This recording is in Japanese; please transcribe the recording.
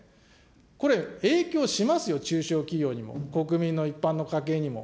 これ、影響しますよ、中小企業にも、国民の一般の家計にも。